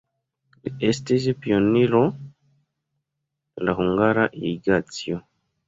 Li estis pioniro de la hungara irigacio.